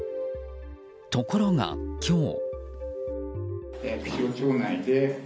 ところが、今日。